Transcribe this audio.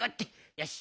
よし。